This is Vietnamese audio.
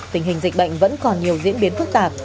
tình hình dịch bệnh vẫn còn nhiều diễn biến phức tạp